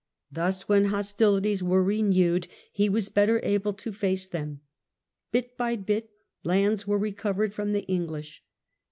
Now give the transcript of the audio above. Thus when hostilities were renewed he was better able to face them. Bit by bit lands were recovered from the English.